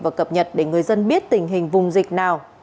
và cập nhật để người dân biết tình hình vùng dịch nào